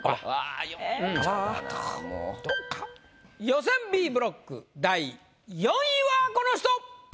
予選Ｂブロック第４位はこの人！